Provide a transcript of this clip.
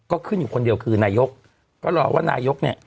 ก็ขึ้นอยู่คนเดียวคือนายกก็รอว่านายกเนี่ย